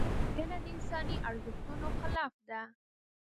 وژنه د انساني ارزښتونو خلاف ده